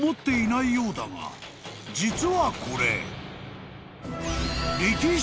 ［実はこれ］